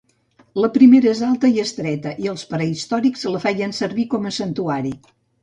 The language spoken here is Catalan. La primera és alta i estreta i els prehistòrics la feien servir com a santuari.